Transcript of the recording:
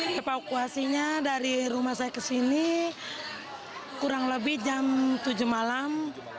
evakuasinya dari rumah saya ke sini kurang lebih jam tujuh malam